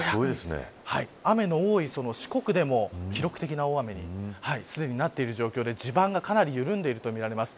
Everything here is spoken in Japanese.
雨の多い四国でも記録的な大雨にすでになっている状況で地盤がかなり緩んでいるとみられます。